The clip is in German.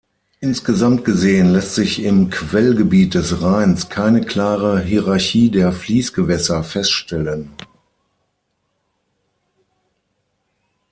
Insgesamt gesehen lässt sich im Quellgebiet des Rheins keine klare Hierarchie der Fliessgewässer feststellen.